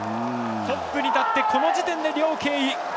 トップに立ってこの時点で梁景怡